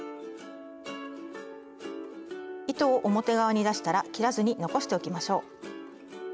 糸を表側に出したら切らずに残しておきましょう。